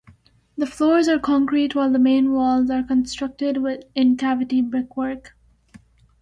The floors are concrete while the main walls are constructed in cavity brickwork.